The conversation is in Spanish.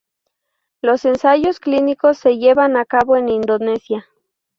Los ensayos clínicos se llevan a cabo en Indonesia.